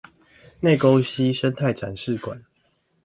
內溝溪生態展示館